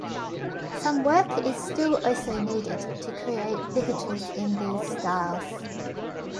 Some work is still also needed to create ligatures in these styles.